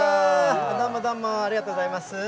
どうも、どうも、ありがとうございます。